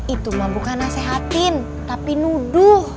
itu mah bukan nasehatin tapi nuduh